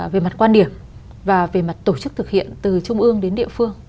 về mặt quan điểm và về mặt tổ chức thực hiện từ trung ương đến địa phương